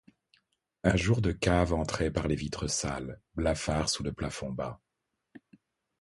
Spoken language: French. Un jour de cave entrait par les vitres sales, blafard sous le plafond bas.